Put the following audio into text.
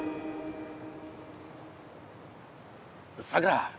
さくら